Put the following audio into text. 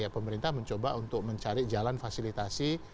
pemerintah mencoba untuk mencari jalan fasilitasi